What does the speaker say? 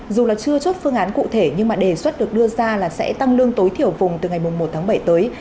dù chưa chốt phương án cụ thể nhưng đề xuất được đưa ra là sẽ tăng lương tối thiểu vùng từ ngày một bảy tới